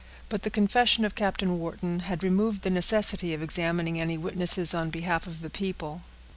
But the confession of Captain Wharton had removed the necessity of examining any witnesses on behalf of the people.